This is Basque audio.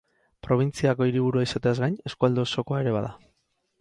Probintziako hiriburua izateaz gain, eskualde osokoa ere bada.